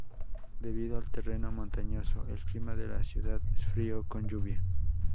Debido al terreno montañoso el clima de la ciudad es frio con lluvia.